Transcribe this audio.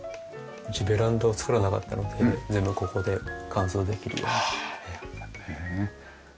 うちベランダを作らなかったので全部ここで乾燥できるように。